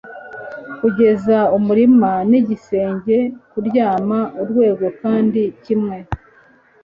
Kugeza umurima nigisenge kuryama urwego kandi kimwe